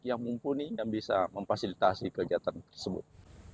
yang mumpuni dan bisa memfasilitasi kegiatan tersebut